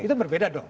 itu berbeda dong